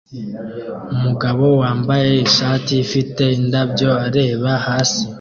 Umugabo wambaye ishati ifite indabyo areba hasi